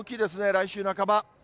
来週半ば。